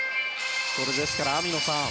ですから、網野さん